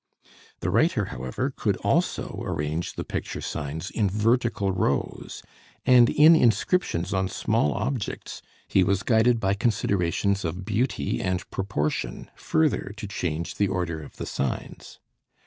The writer, however, could also arrange the picture signs in vertical rows, and in inscriptions on small objects he was guided by considerations of beauty and proportion further to change the order of the signs.